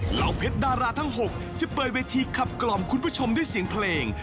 เหล่าเพชรดาราทั้ง๖จะเปิดเวทีขับกล่อมคุณผู้ชมด้วยเสียงเพลง